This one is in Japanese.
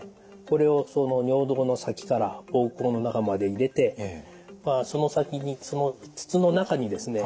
これを尿道の先から膀胱の中まで入れてその先にその筒の中にですね